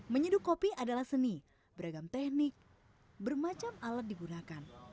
menyeduh kopi adalah seni beragam teknik bermacam alat digunakan